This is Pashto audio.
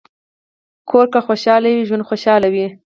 کور که خوشحال وي، ژوند خوشحال وي.